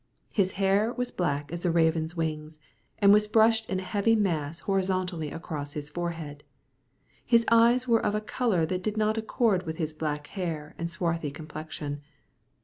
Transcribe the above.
His hair was black as the raven's wings, and was brushed in a heavy mass horizontally across his forehead. His eyes were of a colour that did not accord with his black hair and swarthy complexion.